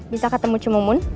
bisa ketemu cemumun